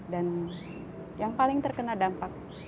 dan yang paling terkena dampak